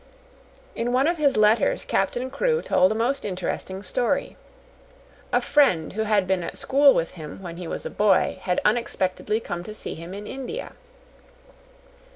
In one of his letters Captain Crewe told a most interesting story. A friend who had been at school with him when he was a boy had unexpectedly come to see him in India.